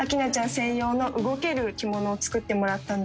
専用の動ける着物を作ってもらったんです」